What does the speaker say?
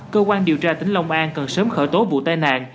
cơ quan điều tra tỉnh long an cần sớm khởi tố vụ tai nạn